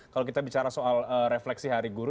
kalau kita bicara soal refleksi hari guru